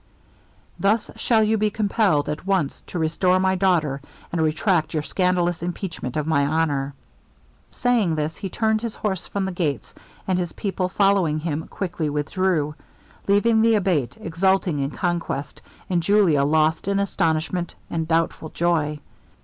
Thus shall you be compelled at once to restore my daughter and retract your scandalous impeachment of my honor.' Saying this, the turned his horse from the gates, and his people following him, quickly withdrew, leaving the Abate exulting in conquest, and Julia lost in astonishment and doubtful joy.